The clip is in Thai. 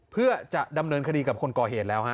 เพื่อจะดำเนินคดีกับคนก่อเหตุแล้วฮะ